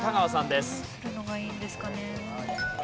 どうするのがいいんですかね？